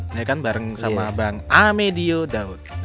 ya kan bareng sama bang amedio daud